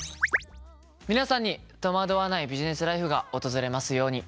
皆さんに戸惑わないビジネスライフが訪れますように。